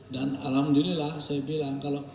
dan alhamdulillah saya bilang kalau